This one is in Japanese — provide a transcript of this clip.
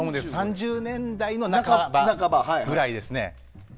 ３０年代の半ばぐらいですね。